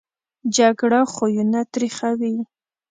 جګړه خویونه تریخوي